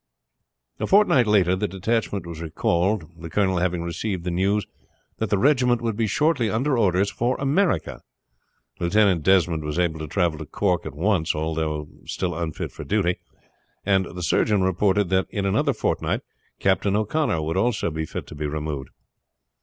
A fortnight later the detachment was recalled, the colonel having received the news that the regiment would be shortly under orders for America. Lieutenant Desmond was able to travel to Cork at once, although still unfit for duty; and the surgeon reported that in another fortnight Captain O'Connor would be also fit to be removed.